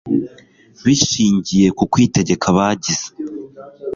bishingiye ku kwitegeka bagize